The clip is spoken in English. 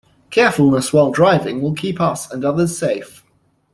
Carefulness while driving will keep us and others safe.